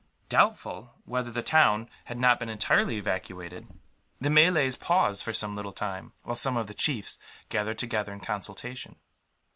Doubtful whether the town had not been entirely evacuated, the Malays paused for some little time, while some of the chiefs gathered together in consultation.